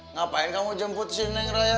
ngapain kamu jemput sini neng raya